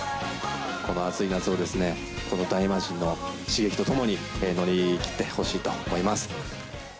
この暑い夏をこの「ダイマジン」の刺激とともに乗り切ってほしいと思います。